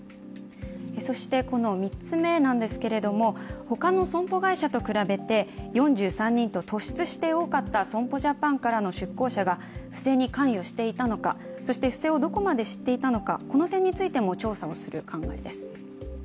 そして３つ目なんですけれども他の損保会社と比べて、４３人と、突出して多かった損保ジャパンからの出向者が不正に関与していたのか、不正をどこまで知っていたのかという点についても調査する考えです。